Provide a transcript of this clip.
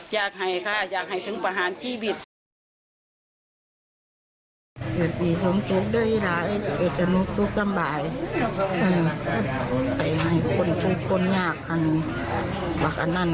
อย่าตื่นอายเล่นไม่ได้ทำงาน